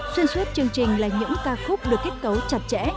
xuyên suốt chương trình là những ca khúc được kết cấu chặt chẽ